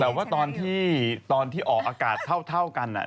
แต่ว่าตอนที่ออกอากาศเท่ากัน